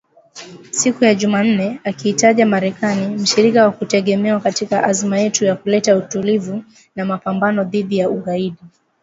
siku ya Jumanne akiitaja Marekani mshirika wa kutegemewa katika azma yetu ya kuleta utulivu na mapambano dhidi ya ugaidi